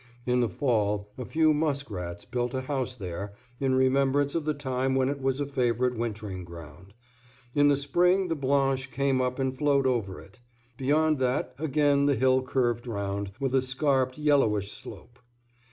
In the fall a few musk rats built a house there, in remembrance of the time when it was a favorite wintering ground. In the spring the Blanche came up and flowed over it. Beyond that again the hill curved round, with a scarped, yellowish slope.